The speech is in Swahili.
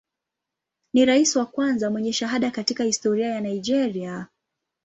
Ni rais wa kwanza mwenye shahada katika historia ya Nigeria.